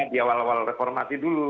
di awal awal reformasi dulu